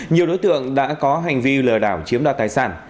nhiều đối tượng đã có hành vi lừa đảo chiếm đoạt tài sản